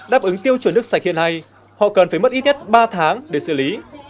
đáp ứng tiêu chuẩn nước sạch hiện nay họ cần phải mất ít nhất ba tháng để xử lý